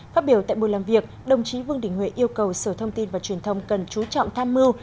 phát biểu tại buổi làm việc đồng chí vương đình huệ yêu cầu sở thông tin và truyền thông cần chú trọng tham mưu